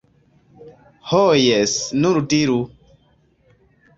Ho jes, nur diru!